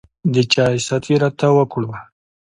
د چاے ست يې راته وکړو